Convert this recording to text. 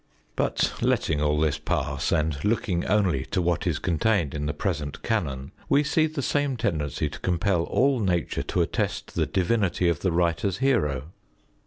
But letting all this pass and looking only to what is contained in the present Canon, we see the same tendency to compel all nature to attest the divinity of the writer's hero.